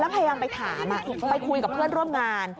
พยายามไปถามไปคุยกับเพื่อนร่วมงาน